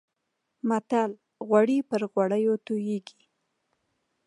متل: غوړ پر غوړو تويېږي.